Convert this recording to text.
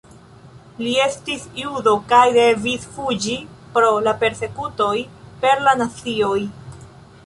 Li estis judo kaj devis fuĝi pro la persekutoj per la nazioj.